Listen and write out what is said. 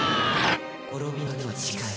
滅びの時は近い。